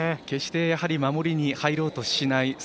決して守りに入ろうとしない。